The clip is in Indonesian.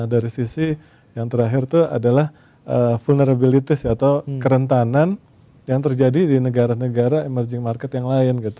dari sisi yang terakhir itu adalah vulnerabilities atau kerentanan yang terjadi di negara negara emerging market yang lain gitu